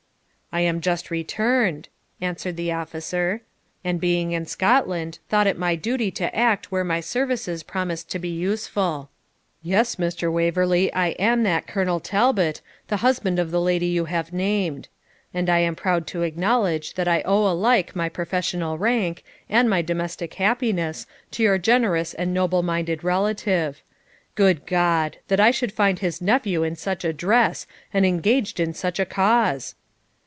'I am just returned,' answered the officer; 'and being in Scotland, thought it my duty to act where my services promised to be useful. Yes, Mr. Waverley, I am that Colonel Talbot, the husband of the lady you have named; and I am proud to acknowledge that I owe alike my professional rank and my domestic happiness to your generous and noble minded relative. Good God! that I should find his nephew in such a dress, and engaged in such a cause!'